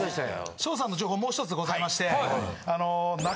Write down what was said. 翔さんの情報もうひとつございまして。